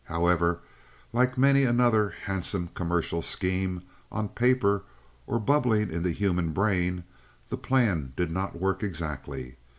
However, like many another handsome commercial scheme on paper or bubbling in the human brain, the plan did not work exactly.